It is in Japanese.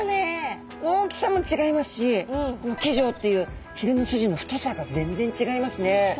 大きさも違いますしこの鰭条っていうひれの筋の太さが全然違いますね。